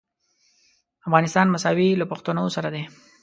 افغانستان مساوي له پښتنو سره دی.